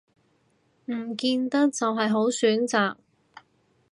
唔見得就係好選擇